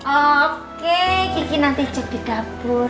oke kiki nanti cek di dapur